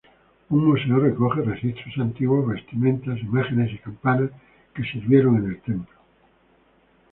Un museo recoge registros antiguos, vestimentas, imágenes y campanas que sirvieron en el templo.